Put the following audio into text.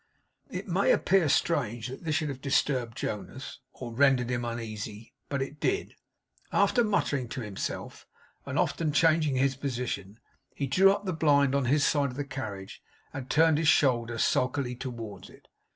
It may appear strange that this should have disturbed Jonas, or rendered him uneasy; but it did. After muttering to himself, and often changing his position, he drew up the blind on his side of the carriage, and turned his shoulder sulkily towards it.